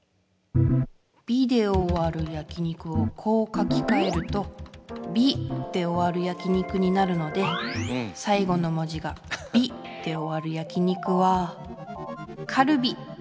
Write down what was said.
ビデオ÷焼肉をこう書きかえると「ビ」で終わる焼肉になるので最後の文字が「ビ」で終わる焼肉はカルビ！